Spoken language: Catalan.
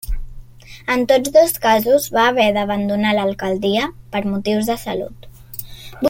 En tots dos casos va haver d'abandonar l'alcaldia per motius de salut.